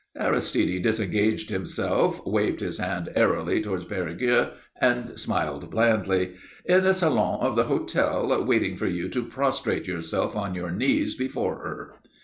Aristide disengaged himself, waved his hand airily towards Perigueux, and smiled blandly. "In the salon of the hotel, waiting for you to prostrate yourself on your knees before her."